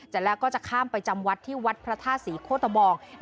เสร็จแล้วก็จะข้ามไปจำวัดที่วัดพระธาตุศรีโคตะบอง